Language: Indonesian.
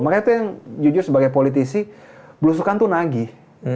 makanya itu yang jujur sebagai politisi belusukan tuh nagih